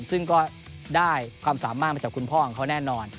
ซึ่งก็ได้ความสามารถมาจากคุณพ่อของเขาแน่นอน